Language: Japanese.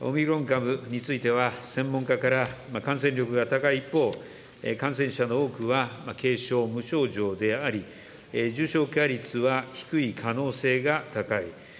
オミクロン株については、専門家から感染力が高い一方、感染者の多くは軽症、無症状であり、重症化率は低い可能性が高い。